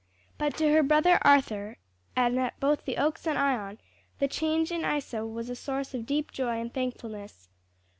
But to her brother Arthur, and at both the Oaks and Ion, the change in Isa was a source of deep joy and thankfulness.